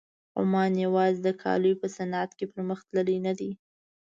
عمان یوازې د کالیو په صنعت کې پرمخ تللی نه دی.